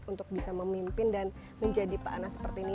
untuk bisa memimpin dan menjadi pak anas seperti ini